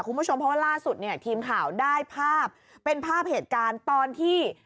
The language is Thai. คุณผู้ชมเพราะว่าล่าสุดเนี่ยทีมข่าวได้ภาพเป็นภาพเหตุการณ์ตอนที่